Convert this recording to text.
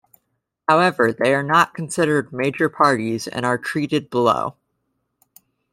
However, they are not considered major parties, and are treated below.